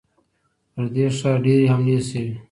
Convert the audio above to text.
پر دې ښار ډېرې حملې شوي.